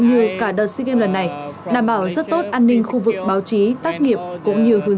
như cả đợt sea games lần này đảm bảo rất tốt an ninh khu vực báo chí tác nghiệp cũng như hướng